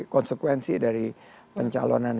konsekuensi dari pencalonan